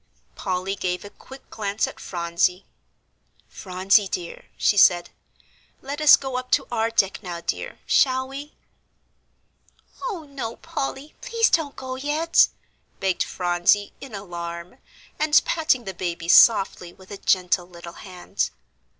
Polly gave a quick glance at Phronsie. "Phronsie dear," she said, "let us go up to our deck now, dear. Shall we?" "Oh, no, Polly, please don't go yet," begged Phronsie, in alarm, and patting the baby softly with a gentle little hand.